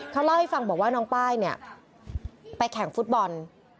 เขาเล่าให้ฟังบอกว่าน้องป้ายเนี่ยไปแข่งฟุตบอล